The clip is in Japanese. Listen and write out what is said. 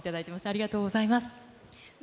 ありがとうございます。